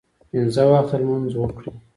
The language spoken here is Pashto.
پنځه وخته لمونځ وکړئ